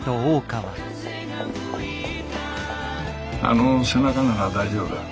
あの背中なら大丈夫だ。